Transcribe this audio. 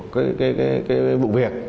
cái vụ việc